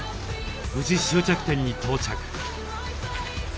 無事終着点に到着。